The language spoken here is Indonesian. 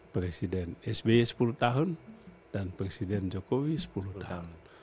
presiden sby sepuluh tahun dan presiden jokowi sepuluh tahun